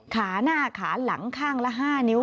ขาหน้าขาหลังข้างละ๕นิ้ว